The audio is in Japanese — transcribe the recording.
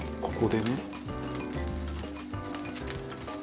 「ここでね」